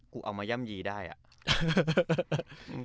เอามาย่ำยีได้อ่ะ